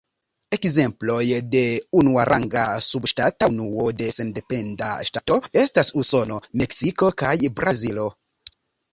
Ekzemploj de unuaranga subŝtata unuo de sendependa ŝtato estas Usono, Meksiko kaj Brazilo.